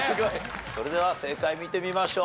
それでは正解見てみましょう。